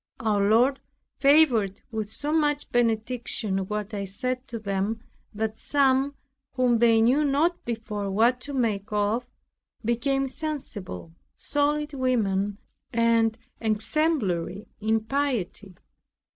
Our Lord favored with so much benediction what I said to them, that some, whom they knew not before what to make of, became sensible, solid women, and exemplary in piety.